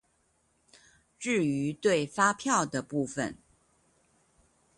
至於對發票的部分